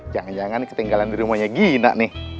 jangan jangan ketinggalan di rumahnya gina nih